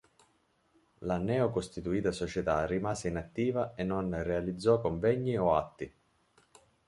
La neocostituita società rimase inattiva e non realizzò convegni o atti.